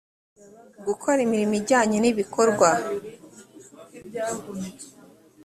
gukora imirimo ijyanye n ibikorwa